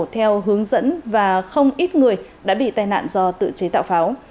theo hướng dẫn và không ít người đã bị tai nạn do tự chế tạo pháo